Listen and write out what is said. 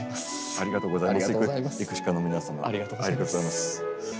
ありがとうございます。